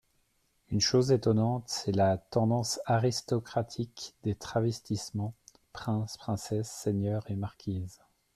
Une chose étonnante, c'est la tendance aristocratique des travestissements ; princes, princesses, seigneurs et marquises.